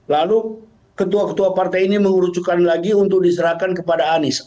lalu ketua ketua partai ini mengurucukkan lagi untuk diserahkan kepada anies